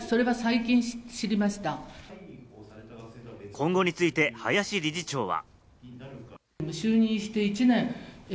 今後について林理事長は。